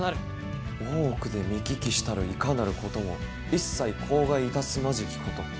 大奥で見聞きしたるいかなることも一切口外いたすまじきこと。